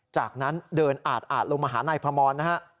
จากนั้นเดินอาดลงมาหานายพมรนะฮะ